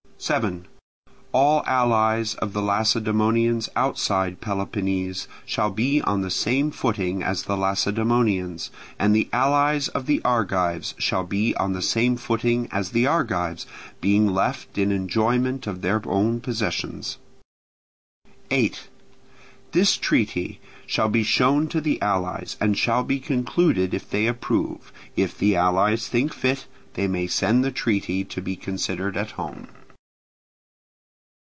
7. All allies of the Lacedaemonians outside Peloponnese shall be on the same footing as the Lacedaemonians, and the allies of the Argives shall be on the same footing as the Argives, being left in enjoyment of their own possessions. 8. This treaty shall be shown to the allies, and shall be concluded, if they approve; if the allies think fit, they may send the treaty to be considered at home.